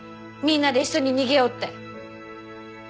「みんなで一緒に逃げよう」って。